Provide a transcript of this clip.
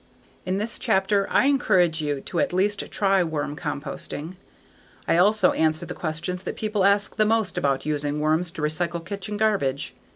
In this chapter, I encourage you to at least try worm composting. I also answer the questions that people ask the most about using worms to recycle kitchen garbage.